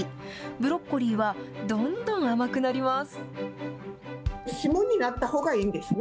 ブロッコリーは、どんどん甘くなります。